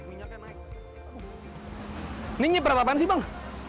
ini nyiprat apaan sih bang